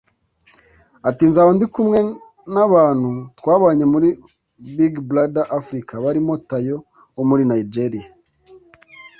Ati “Nzaba ndi kumwe n’abantu twabanye muri Big Brother Africa barimo Tayo wo muri Nigeria